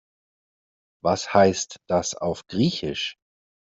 Was heißt das auf Griechisch?